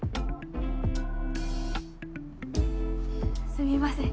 すみません。